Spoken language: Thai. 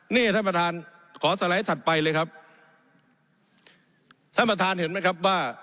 นี่ท่านประธานขอสไลด์ถัดไปเลยครับท่านประธานเห็นไหมครับว่า